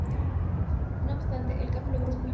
No obstante, el capo logró escabullirse.